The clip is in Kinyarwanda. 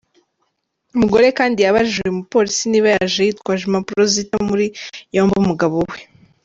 Umugore kandi yabajije uyu mupolisi niba yaje yitwaje impapuro zita muri yombi umugabo we.